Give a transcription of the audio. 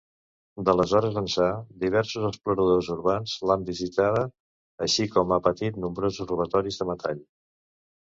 D'aleshores ençà, diversos exploradors urbans l'han visitada així com ha patit nombrosos robatoris de metall.